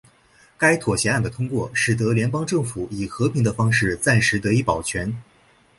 该妥协案的通过使得联邦政府以和平的方式暂时得以保全。